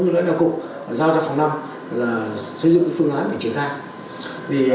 giao cho phòng năm là xây dựng phương án để triển khai